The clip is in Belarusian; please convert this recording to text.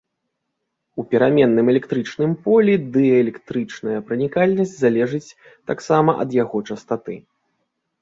У пераменным электрычным полі дыэлектрычная пранікальнасць залежыць таксама ад яго частаты.